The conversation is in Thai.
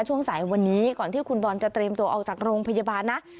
ช่วงสายวันนี้ก่อนที่คุณบอลจะเตรียมตัวออกจากโรงพยาบาลนะ